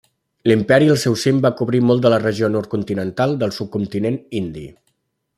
L'imperi al seu cim va cobrir molt del de la regió nord-oriental del subcontinent indi.